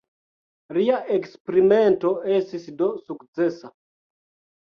Lia eksperimento estis do sukcesa.